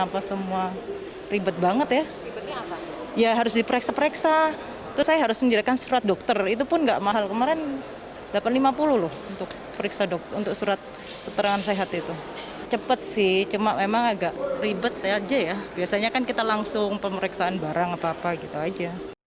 pemeriksaan penumpang yang diizinkan terbang harus sesuai dengan kriteria dalam surat edaran gugus tugas covid sembilan belas